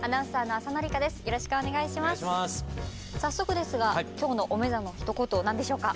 早速ですが今日のおめざのひと言何でしょうか？